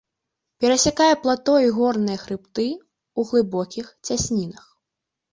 Перасякае плато і горныя хрыбты ў глыбокіх цяснінах.